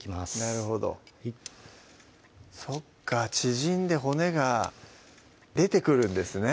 なるほどそっか縮んで骨が出てくるんですね